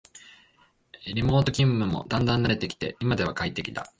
リモート勤務もだんだん慣れてきて今では快適だ